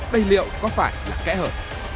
đây liệu có phải là kẽ hợp